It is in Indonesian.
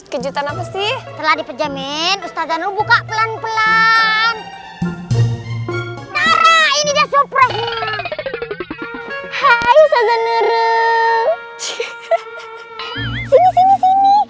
kejutan apa sih telah dipejamin ustazanurul buka pelan pelan ini dia supresnya hai ustazanurul